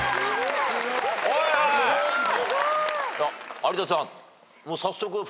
有田さん。